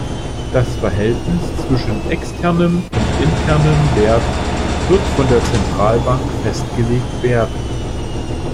Das Verhältnis zwischen externem und internem Wert wird von der Zentralbank festgelegt werden.